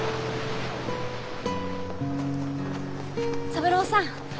三郎さん。